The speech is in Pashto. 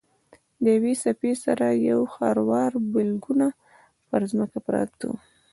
له یوې څپې سره یو خروار بلګونه پر ځمکه پراته وو.